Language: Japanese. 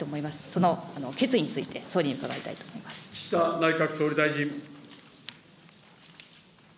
その決意について総理に伺いたい岸田内閣総理大臣。